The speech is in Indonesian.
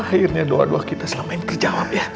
akhirnya doa doa kita selama ini terjawab ya